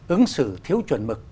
ứng xử thiếu chuẩn mực